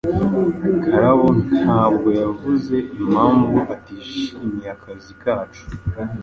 Karabo ntabwo yavuze impamvu atishimiye akazi kacu.